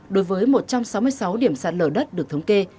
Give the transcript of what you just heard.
đối với một trăm sáu mươi sáu điểm sạt lở đất được thống kê